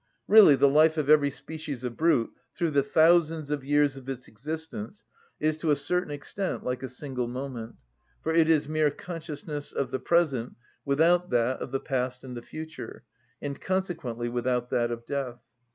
Really the life of every species of brute, through the thousands of years of its existence, is to a certain extent like a single moment; for it is mere consciousness of the present, without that of the past and the future, and consequently without that of death.